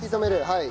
はい。